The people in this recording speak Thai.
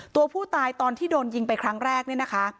ตัวผู้ตายตอนที่โดนยิงไปครั้งแรกเนี่ยนะคะ